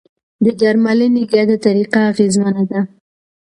د درملنې ګډه طریقه اغېزمنه ده.